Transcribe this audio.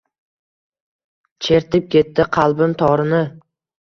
Chertib ketdi qalbim torini